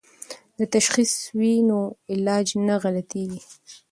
که تشخیص وي نو علاج نه غلطیږي.